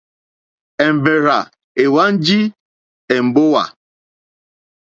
Èmbèrzà èhwánjì èmbówà.